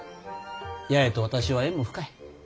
八重と私は縁も深い。